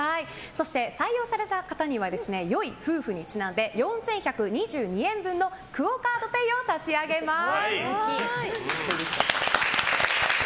そして、採用された方にはよい夫婦にちなんで４１２２円分のクオ・カードペイを差し上げます。